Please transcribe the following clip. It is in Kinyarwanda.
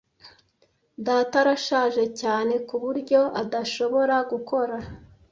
Data arashaje cyane ku buryo adashobora gukora